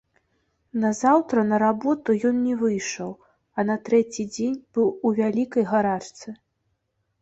Назаўтра на работу ён не выйшаў, а на трэці дзень быў у вялікай гарачцы.